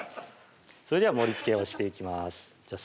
それでは盛りつけをしていきますじゃあ